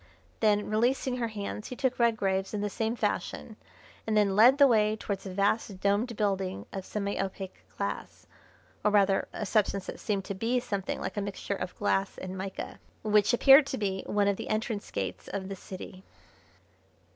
Then, releasing her hands, he took Redgrave's in the same fashion, and then led the way towards a vast, domed building of semi opaque glass, or rather a substance that seemed to be something like a mixture of glass and mica, which appeared to be one of the entrance gates of the city.